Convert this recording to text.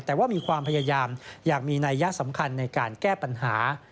แต่ว่ามีความพยายามอย่างมีนัยยะสำคัญในการแก้ปัญหา